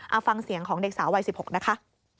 เอาฟังเสียงของเด็กสาววัย๑๖นะคะ